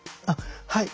はい。